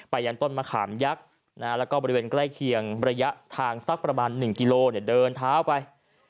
ยันต้นมะขามยักษ์แล้วก็บริเวณใกล้เคียงระยะทางสักประมาณ๑กิโลเดินเท้าไป